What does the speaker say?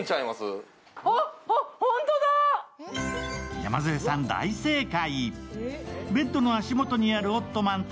山添さん、大正解。